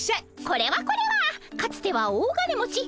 これはこれはかつては大金持ち